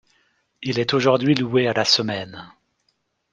Il est aujourd'hui loué à la semaine.